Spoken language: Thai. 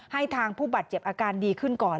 ให้ทางผู้บาดเจ็บอาการดีขึ้นก่อน